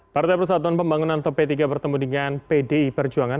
partai persatuan pembangunan atau p tiga bertemu dengan pdi perjuangan